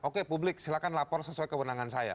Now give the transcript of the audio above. oke publik silahkan lapor sesuai kewenangan saya